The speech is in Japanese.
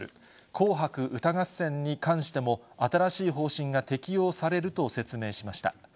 紅白歌合戦に関しても、新しい方針が適用されると説明しました。